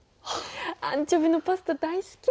アンチョビのパスタ大好きなんだよね。